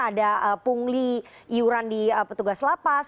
ada pungli iuran di petugas lapas